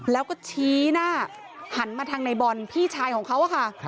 แล้วก็ชี้หน้าหันมาทางในบอลพี่ชายของเขาค่ะ